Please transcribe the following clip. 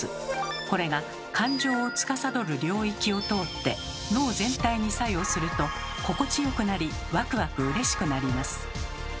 これが感情をつかさどる領域を通って脳全体に作用すると心地よくなりワクワクうれしくなります。